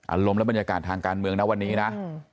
อารมณ์และบรรยากาศทางการเมืองนะวันนี้นะ